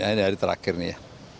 ini hari terakhir nih ya